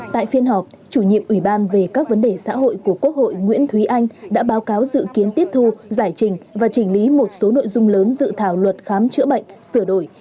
tại phiên họp chủ nhiệm ủy ban về các vấn đề xã hội của quốc hội nguyễn thúy anh đã báo cáo dự kiến tiếp thu giải trình và chỉnh lý một số nội dung lớn dự thảo luật khám chữa bệnh sửa đổi